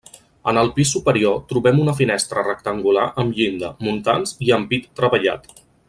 En el pis superior trobem una finestra rectangular amb llinda, muntants i ampit treballat.